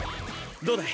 どうだい？